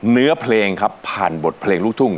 เนื้อเพลงครับผ่านบทเพลงลูกทุ่ง